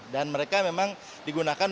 dan mereka memang digunakan